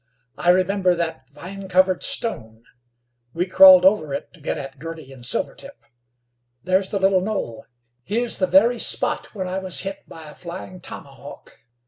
"I remember that vine covered stone. We crawled over it to get at Girty and Silvertip. There's the little knoll; here's the very spot where I was hit by a flying tomahawk.